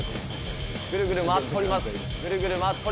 ぐるぐる回っております。